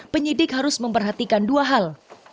penyidik harus memperhatikan dua hal